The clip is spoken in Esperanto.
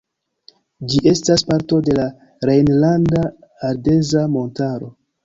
Ĝi estas parto de la Rejnlanda Ardeza Montaro.